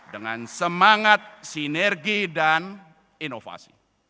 dengan semangat sinergi dan inovasi